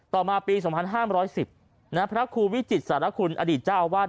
ต่อมาปีสมหัส๕๑๐ณพระครูวิจิตรสารคุณอดีตเจ้าว่า